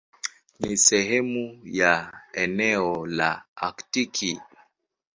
Ni sehemu ya eneo la Aktiki.